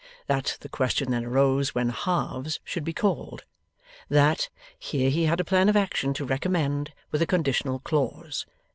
That, the question then arose when 'Halves!' should be called. That, here he had a plan of action to recommend, with a conditional clause.